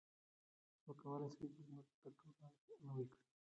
څوک کولای سي چې زموږ د کلتور رنګ نوی کړي؟